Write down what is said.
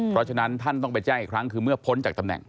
เพราะฉะนั้นท่านต้องไปแจ้งอีกครั้งคือเมื่อพ้นจากตำแหน่ง